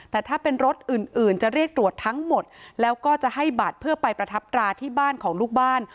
แต่ถ้าเป็นรถอื่นอื่นจะเรียกตรวจทั้งหมดแล้วก็จะให้บัตรเพื่อไปประทับตราที่บ้านของลูกบ้าน